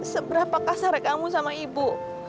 seberapa kasar kamu sama ibu